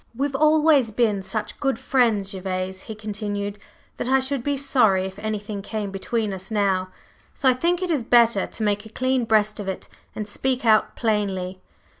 "We've always been such good friends, Gervase," he continued, "that I should be sorry if anything came between us now, so I think it is better to make a clean breast of it and speak out plainly."